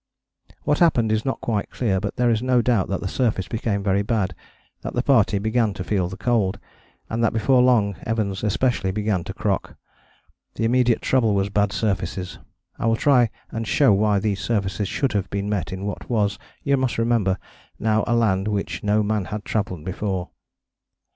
What happened is not quite clear, but there is no doubt that the surface became very bad, that the party began to feel the cold, and that before long Evans especially began to crock. The immediate trouble was bad surfaces. I will try and show why these surfaces should have been met in what was, you must remember, now a land which no man had travelled before.